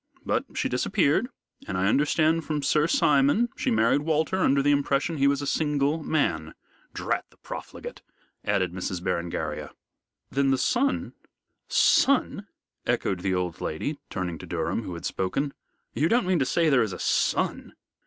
But she disappeared, and I understand from Sir Simon she married Walter under the impression he was a single man drat the profligate!" added Miss Berengaria. "Then the son " "Son!" echoed the old lady, turning to Durham, who had spoken. "You don't mean to say there is a son?"